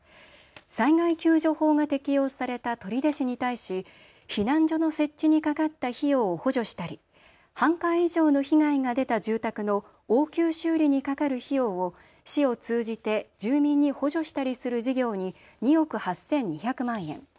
災害救助法が適用された取手市に対し避難所の設置にかかった費用を補助したり半壊以上の被害が出た住宅の応急修理にかかる費用を市を通じて住民に補助したりする事業に２億８２００万円。